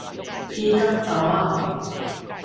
椅各頭仔